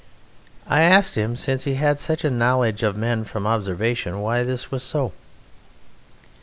I asked him, since he had such a knowledge of men from observation, why this was so.